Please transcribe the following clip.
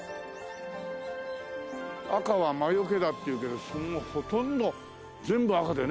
赤は魔よけだっていうけどほとんど全部赤でね。